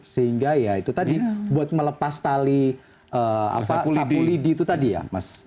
sehingga ya itu tadi buat melepas tali sapu lidi itu tadi ya mas